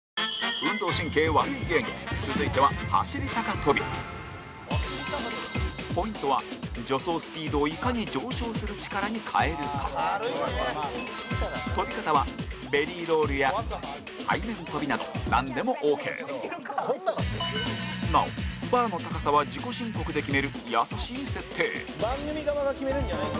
運動神経悪い芸人続いては、走り高跳びポイントは、助走スピードをいかに上昇する力に換えるか跳び方はベリーロールや背面跳びなどなんでもＯＫなお、バーの高さは自己申告で決める、優しい設定山崎：番組側が決めるんじゃないんだ。